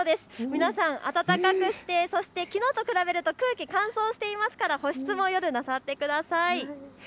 皆さん、暖かくしてきのうと比べると空気乾燥していますから保湿もなさってください。